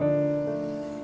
oke ah makasih